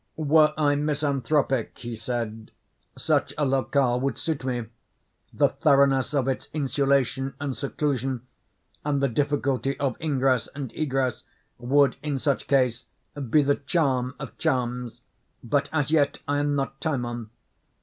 "Were I misanthropic," he said, "such a locale would suit me. The thoroughness of its insulation and seclusion, and the difficulty of ingress and egress, would in such case be the charm of charms; but as yet I am not Timon.